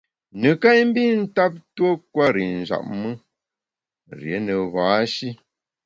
Neká i mbi ntap tuo kwer i njap me, rié ne ba-shi.